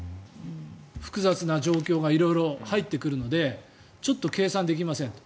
複雑な状況が色々入ってくるのでちょっと計算できませんと。